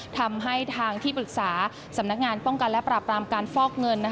ทำให้ทางที่ปรึกษาสำนักงานป้องกันและปราบรามการฟอกเงิน